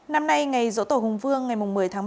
năm nay ngày dỗ tổ hùng vương ngày một mươi tháng ba